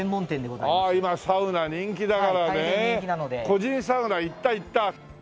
個人サウナ行った行った。